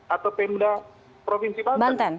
atau tenda provinsi banten